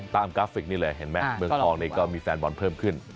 กราฟิกนี่เลยเห็นไหมเมืองทองนี่ก็มีแฟนบอลเพิ่มขึ้น